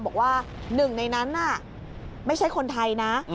บอกว่าหนึ่งในนั้นน่ะไม่ใช่คนไทยนะ